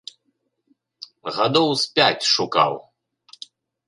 Гадоў з пяць шукаў.